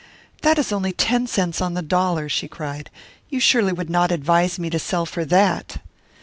"That is only ten cents on the dollar!" she cried. "You surely would not advise me to sell for that!"